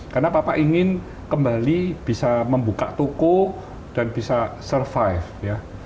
karena papa ingin kembali bisa membuka toko dan bisa survive ya